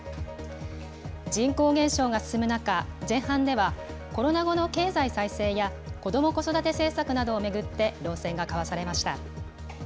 人口減少が進む中、前半では、コロナ後の経済再生や子ども・子育て政策などを巡って論戦が交わされました。